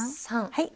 はい。